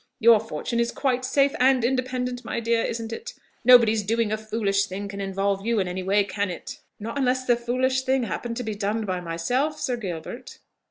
Your fortune is quite safe and independent, my dear, isn't it? Nobody's doing a foolish thing can involve you in any way, can it?" "Not unless the foolish thing happened to be done by myself, Sir Gilbert."